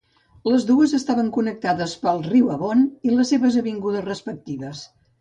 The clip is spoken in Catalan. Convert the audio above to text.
Les dues estaven connectades pel riu Avon i les seves avingudes respectives.